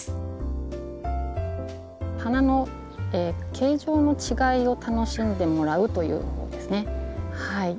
花の形状の違いを楽しんでもらうというものですね。